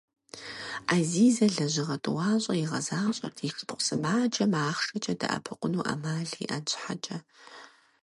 Ӏэзизэ лэжьыгъэ тӀуащӀэ игъэзащӀэрт и шыпхъу сымаджэм ахъшэкӀэ дэӀэпыкъуну Ӏэмал иӀэн щхьэкӀэ.